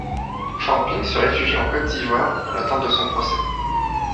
Franck Ping se réfugie en Côte d'Ivoire, dans l'attente de son procès.